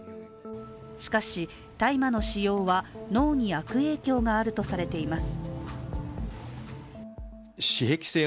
しかし大麻の使用は脳に悪影響があるとされています。